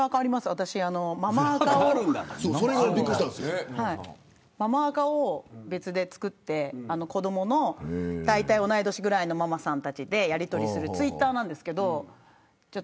私、ママアカを別で作って、子どものだいたい同い年ぐらいのママさんたちでやりとりをするツイッターなんですけど。